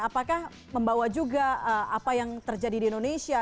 apakah membawa juga apa yang terjadi di indonesia